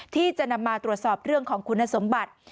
ที่จะนำมาตรวจสอบเรื่องของคุณสมบัติ